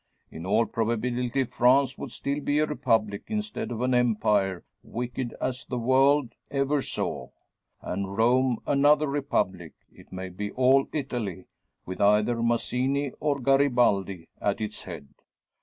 In all probability France would still be a republic instead of an empire, wicked as the world ever saw; and Rome another republic it maybe all Italy with either Mazzini or Garibaldi at its head.